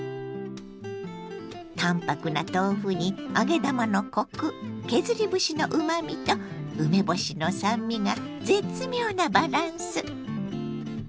淡泊な豆腐に揚げ玉のコク削り節のうまみと梅干しの酸味が絶妙なバランス！